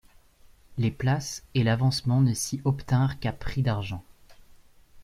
Les places et l'avancement ne s'y obtinrent qu'à prix d'argent.